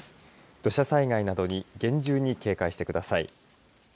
土砂災害などに厳重に警戒してください。